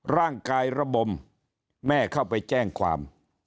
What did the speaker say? ร่างกายระบมแม่เข้าไปแจ้งความ